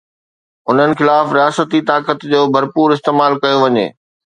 انهن خلاف رياستي طاقت جو ڀرپور استعمال ڪيو وڃي.